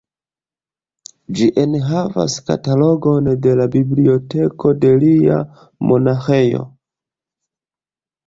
Ĝi enhavas katalogon de la biblioteko de lia monaĥejo.